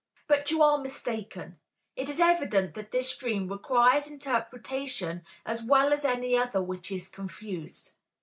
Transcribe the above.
But you are mistaken; it is evident that this dream requires interpretation as well as any other which is confused.